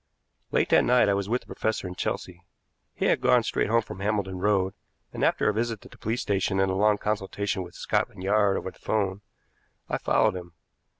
Late that night I was with the professor in Chelsea. He had gone straight home from Hambledon Road, and, after a visit to the police station and a long consultation with Scotland Yard over the 'phone, I followed him.